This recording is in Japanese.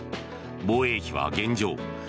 防衛費は現状